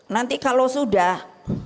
nanti kalau sudah